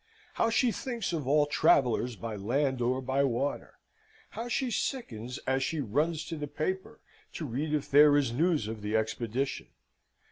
How she thinks of all travellers by land or by water! How she sickens as she runs to the paper to read if there is news of the Expedition!